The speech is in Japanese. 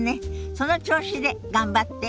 その調子で頑張って。